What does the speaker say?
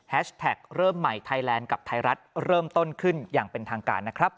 เริ่มใหม่ไทยแลนด์กับไทยรัฐเริ่มต้นขึ้นอย่างเป็นทางการนะครับ